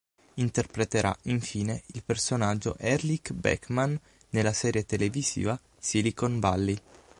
Interpreterà, infine, il personaggio Erlich Bachman nella serie televisiva "Silicon Valley".